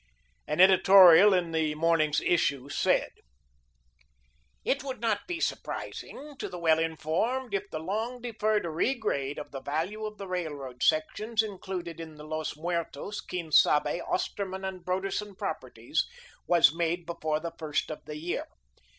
An editorial in that morning's issue said: "It would not be surprising to the well informed, if the long deferred re grade of the value of the railroad sections included in the Los Muertos, Quien Sabe, Osterman and Broderson properties was made before the first of the year.